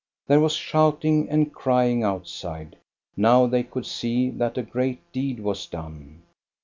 There was shouting and crying outside. Now they could see that a great deed was done.